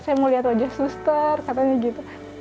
saya mau lihat wajah suster katanya gitu